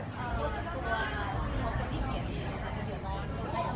ตัวคุณฟ้องเป็นนิเวียนที่คุณค่อนข้างจะเหลือร้อน